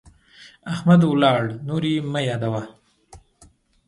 احمد ولاړ، نور يې مه يادوه.